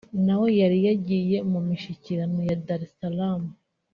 nawe yari yagiye mu mishyikirano ya Dar es Salam